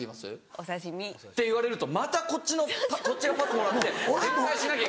お刺し身。って言われるとまたこっちがパスもらって展開しなきゃいけない。